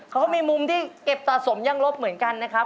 เขาก็มีมุมที่เก็บสะสมยังลบเหมือนกันนะครับ